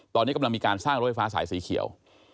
ตอนนี้กำลังมีการสร้างรถไฟฟ้าสายสีเขียว